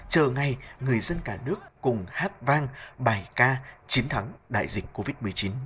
chờ ngày người dân cả nước cùng hát vang bài ca chiến thắng đại dịch covid một mươi chín